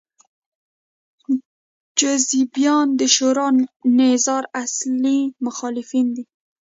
حزبیان د شورا نظار اصلي مخالفین دي.